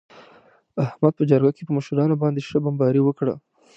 احمد په جرگه کې په مشرانو باندې ښه بمباري وکړه.